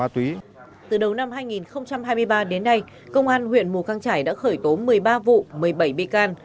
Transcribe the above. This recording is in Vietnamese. từ đầu năm hai nghìn hai mươi ba đến nay công an huyện mù căng trải đã khởi tố một mươi ba vụ một mươi bảy bị can